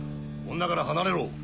女から離れろ！